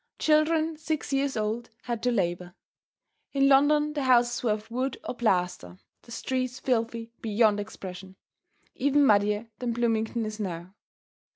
Children six years old had to labor. In London the houses were of wood or plaster, the streets filthy beyond expression, even muddier than Bloomington is now.